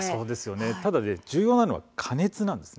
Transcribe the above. ただ重要なことは加熱なんです。